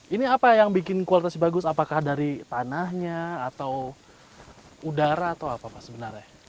ini apa yang bikin kualitas bagus apakah dari tanahnya atau udara atau apa pak sebenarnya